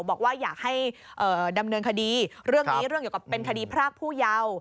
บอกว่าอยากให้ดำเนินคดีเรื่องนี้เรื่องเกี่ยวกับเป็นคดีพรากผู้เยาว์